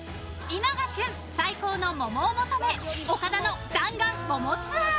今が旬、最高の桃を求め岡田の弾丸！桃ツアー。